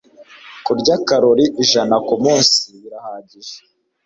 Kurya karori ijana kumunsi birahagije?